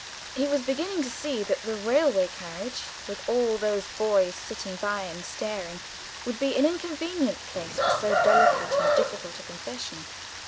He was beginning to see that the railway carriage, with all those boys sitting by and staring, would be an inconvenient place for so delicate and difficult a confession.